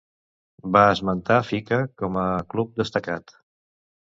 Va esmentar fica com a club destacat.